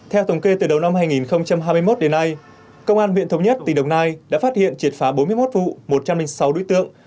theo tổng kê từ đầu năm hai nghìn hai mươi một đến nay công an huyện thống nhất tỉnh đồng nai đã phát hiện triệt phá bốn mươi một vụ một trăm linh sáu đối tượng